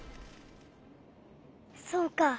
そうか。